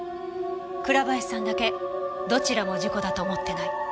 倉林さんだけどちらも事故だと思ってない。